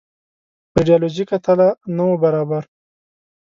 پر ایډیالوژیکه تله نه وو برابر.